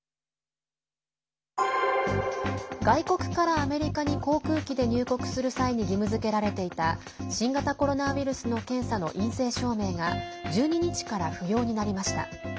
外国からアメリカに航空機で入国する際に義務づけられていた新型コロナウイルスの検査の陰性証明が１２日から不要になりました。